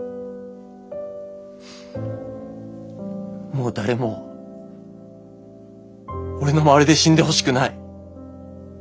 もう誰も俺の周りで死んでほしくない。